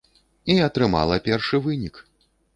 І атрымала першы вынік!